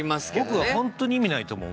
僕は本当に意味ないと思う。